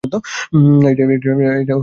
এটা ফেংশির কাজ?